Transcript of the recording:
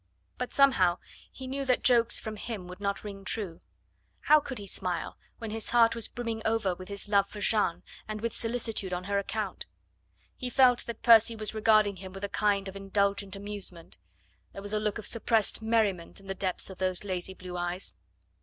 But somehow he knew that jokes from him would not ring true. How could he smile when his heart was brimming over with his love for Jeanne, and with solicitude on her account? He felt that Percy was regarding him with a kind of indulgent amusement; there was a look of suppressed merriment in the depths of those lazy blue eyes.